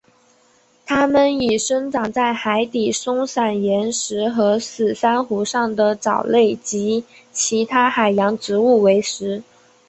它们以生长在海底松散岩石和死珊瑚上的藻类及其他海洋植物为食。